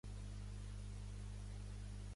Es toca amb una pua o plectre.